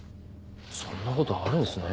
そんな事あるんですね。